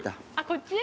こっち？